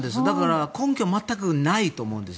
根拠が全くないと思うんです。